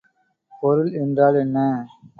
பொருள் என்றால் என்ன?